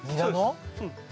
うん。